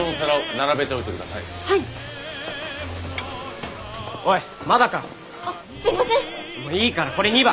いいからこれ２番！